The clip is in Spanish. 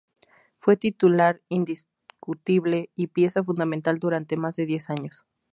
Fue titular indiscutible y pieza fundamental durante más de diez años.